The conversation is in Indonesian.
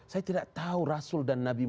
saya tidak tahu rasul dan nabi muhammad